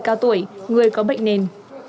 cao tuổi người có bệnh nền